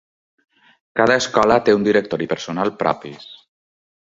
Cada escola té un director i personal propis.